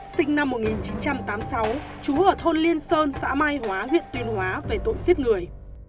sinh năm một nghìn chín trăm tám mươi sáu trú ở thôn liên sơn xã mai hóa huyện tuyên hóa về tội giết người